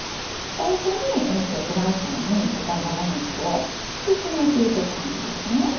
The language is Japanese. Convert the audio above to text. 最初にフライパンに豚バラ肉を敷き詰めていく感じですね。